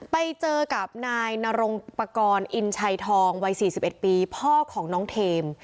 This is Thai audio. ไปเจอกับนายนรงประกอลอินชัยทองวัยสี่สิบเอ็ดปีพ่อของน้องเทม